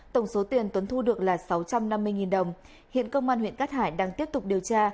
tổng số tiền tuấn thu được là sáu trăm năm mươi đồng hiện công an huyện cát hải đang tiếp tục điều tra